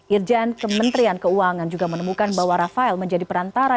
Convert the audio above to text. irjen kementerian keuangan juga menemukan bahwa rafael menjadi perantara